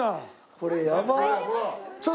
これやばっ！